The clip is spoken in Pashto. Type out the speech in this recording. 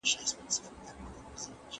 چې هغوی هم برخه واخلي.